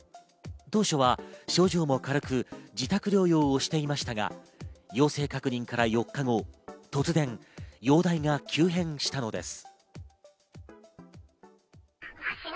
当初は症状も軽く、自宅療養をしていましたが、陽性確認から４日後、突然容体が急変したのです。